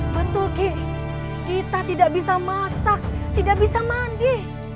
betul ki kita tidak bisa masak tidak bisa mandi